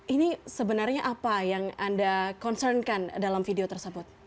ini sebenarnya apa yang anda concernkan dalam video tersebut